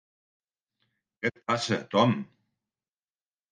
Què et passa, Tom?